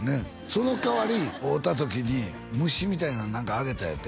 その代わり会うた時に虫みたいなん何かあげたんやて？